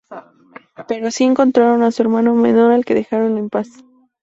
Pero sí encontraron a su hermano menor al que dejaron en paz.